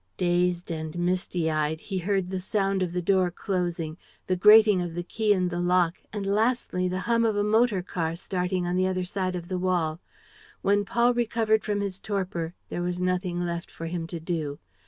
Dazed and misty eyed, he heard the sound of the door closing, the grating of the key in the lock and lastly the hum of a motor car starting on the other side of the wall. When Paul recovered from his torpor there was nothing left for him to do.